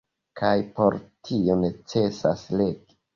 Kaj por tio necesas legi.